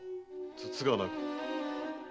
つつがなく。